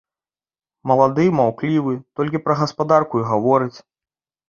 Малады, маўклівы, толькі пра гаспадарку і гаворыць.